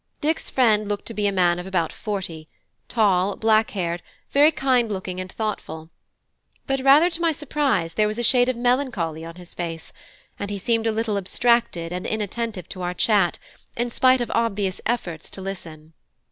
Dick's friend looked to be a man of about forty; tall, black haired, very kind looking and thoughtful; but rather to my surprise there was a shade of melancholy on his face, and he seemed a little abstracted and inattentive to our chat, in spite of obvious efforts to listen.